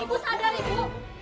ibu sadar ibu